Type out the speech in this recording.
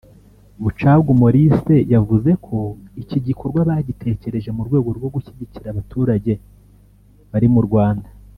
Bucagu Maurice yavuze ko iki gikorwa bagitekereje mu rwego rwo gushyigikira abaturage bari mu Rwanda